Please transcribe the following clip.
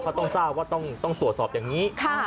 เขาต้องทราบว่าต้องตรวจสอบอย่างนี้